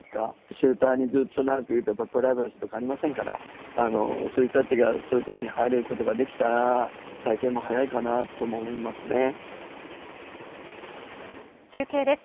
シェルターにずっと長くいると、プライバシーなどありませんから、そういう人たちがそういう所に入ることができたら、再建も早いか中継です。